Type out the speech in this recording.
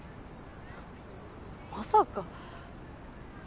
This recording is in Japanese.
まさか。